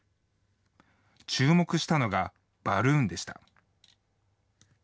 注目したのが、バルーンでした。